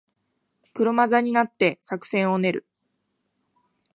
車座になって作戦を練る